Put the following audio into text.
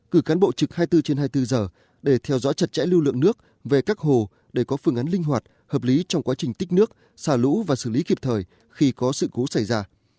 cử cán bộ trực hai mươi bốn trên hai mươi bốn giờ để theo dõi chặt chẽ lưu lượng nước về các hồ để có phương án linh hoạt hợp lý trong quá trình tích nước xả lũ và xử lý kịp thời khi có sự cố xảy ra